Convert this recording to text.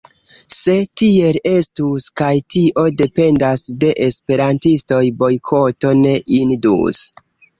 Se tiel estus, kaj tio dependas de esperantistoj, bojkoto ne indus.